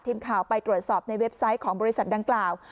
ทีมข่าวไปตรวจสอบในเว็บไซต์ของบริษัทดังกล่าว